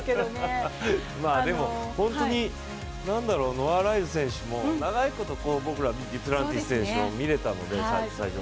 本当にノア・ライルズ選手も長いこと僕ら、デュプランティスを見られたので。